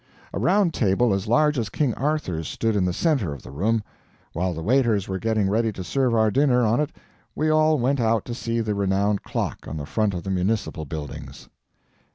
A round table as large as King Arthur's stood in the center of the room; while the waiters were getting ready to serve our dinner on it we all went out to see the renowned clock on the front of the municipal buildings.